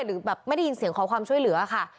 หรือแบบไม่ได้ยินเสียงขอความช่วยเหลือค่ะ